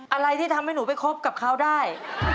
อะไรที่ทำให้หนูไปคบกับเขาได้